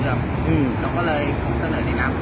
หรือมัทยกรรมสาขอมาเดี๋ยวลับสาขอบทฮะ